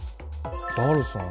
ダルさん